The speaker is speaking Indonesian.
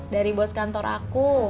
dari bos kantor aku